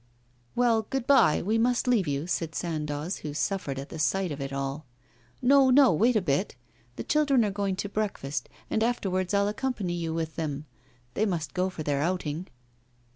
'Well, good bye, we must leave you,' said Sandoz, who suffered at the sight of it all. 'No, no, wait a bit. The children are going to breakfast, and afterwards I'll accompany you with them. They must go for their outing.